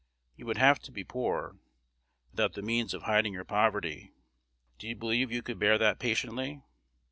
You would have to be poor, without the means of hiding your poverty. Do you believe you could bear that patiently?